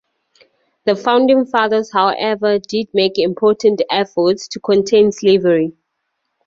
The Founding Fathers, however, did make important efforts to contain slavery.